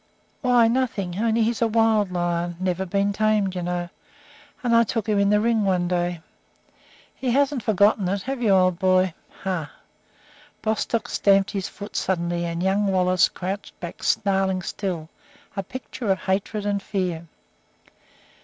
"Why, nothing; only he's a wild lion never been tamed, you know; and I took him in the ring one day. He hasn't forgotten it have you old boy? Hah!" Bostock stamped his foot suddenly, and Young Wallace crouched back, snarling still, a picture of hatred and fear.